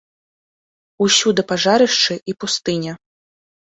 Усюды пажарышчы i пустыня.